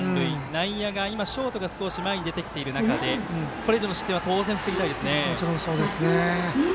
内野が今、ショートが少し前に出てきている中でこれ以上の失点は当然、防ぎたいですね。